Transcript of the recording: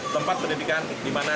tempat pendidikan dimana